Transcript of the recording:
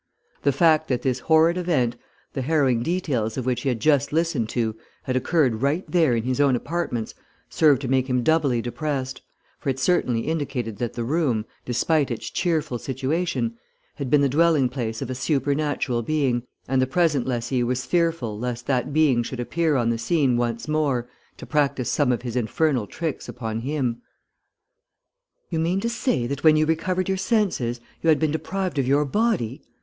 The fact that this horrid event, the harrowing details of which he had just listened to, had occurred right there in his own apartments served to make him doubly depressed, for it certainly indicated that the room, despite its cheerful situation, had been the dwelling place of a supernatural being, and the present lessee was fearful lest that being should appear on the scene once more to practise some of his infernal tricks upon him. "You mean to say that when you recovered your senses, you had been deprived of your body?"